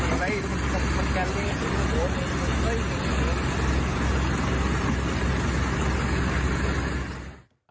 อะไรมันแกล้งได้ไงโอ้โฮโอ้โฮโอ้โฮ